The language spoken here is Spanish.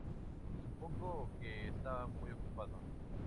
Supongo que estaba muy ocupado".